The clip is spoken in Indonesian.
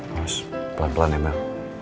bos pelan pelan ya mau